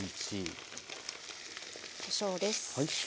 こしょうです。